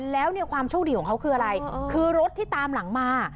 แล้วเนี่ยความโชคดีของเขาคืออะไรคือรถที่ตามหลังมา